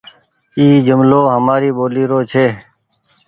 اي جملو همآري ٻولي رو ڇي۔